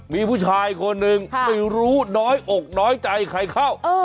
มีผู้ชายคนหนึ่งไม่รู้น้อยอกน้อยใจใครเข้า